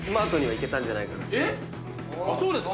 えっ⁉そうですか。